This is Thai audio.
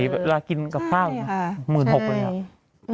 เวลากินกับข้างหมื่นหกเลย